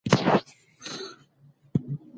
که یووالي وي نو دښمن نه بریالی کیږي.